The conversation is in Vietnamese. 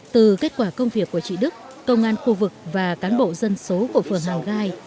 từ kết quả công việc của chị đức công an khu vực và cán bộ dân số của phường hàng gai